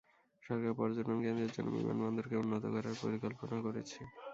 সরকার পর্যটন কেন্দ্রের জন্য বিমানবন্দরকে উন্নত করার পরিকল্পনা করেছে।